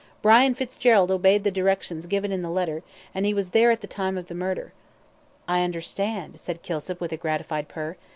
Brian Fitzgerald obeyed the directions given in the letter, and he was there, at the time of the murder." "I understand," said Kilsip, with a gratified purr.